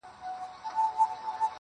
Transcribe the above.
وتاته زه په خپله لپه كي,